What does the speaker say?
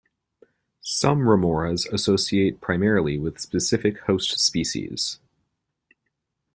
Some remoras associate primarily with specific host species.